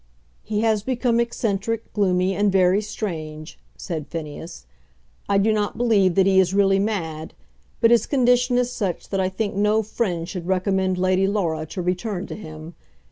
"He has become eccentric, gloomy, and very strange," said Phineas. "I do not believe that he is really mad, but his condition is such that I think no friend should recommend Lady Laura to return to him.